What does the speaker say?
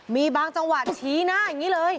มีบางจังหวะชี้หน้าอย่างนี้เลย